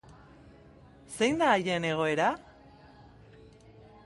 Zein da haien egoera?